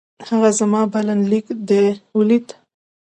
هغه زما بلنليک دې ولېد؟